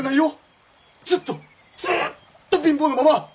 ずっとずっと貧乏のまま。